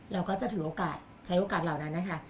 เราก็จะถือโอกาสใช้โอกาสเหล่านั้นนะคะ